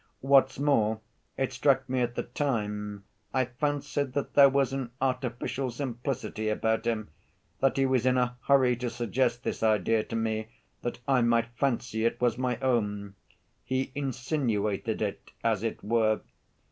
What's more, it struck me at the time. I fancied that there was an artificial simplicity about him; that he was in a hurry to suggest this idea to me that I might fancy it was my own. He insinuated it, as it were.